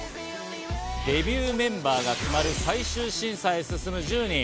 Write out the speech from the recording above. デビューメンバーが決まる最終審査へ進む１０人。